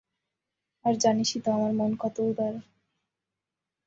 আর জানিসই তো আমার মন কত উদার।